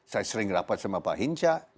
saya sering rapat sama pak hinca